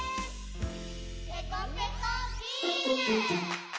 「ペコペコビーム！！！！！！」